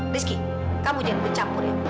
rizky kamu jangan bercampur ya